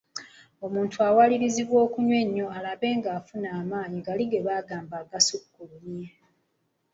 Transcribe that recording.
Omuntu awalirizibwa okunywa ennyo alabe ng'afuna amaanyi gali ge bagamba agasukkulumye.